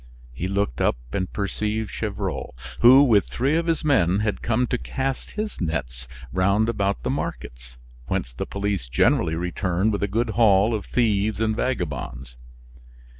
He looked up and perceived Gevrol, who, with three of his men, had come to cast his nets round about the markets, whence the police generally return with a good haul of thieves and vagabonds.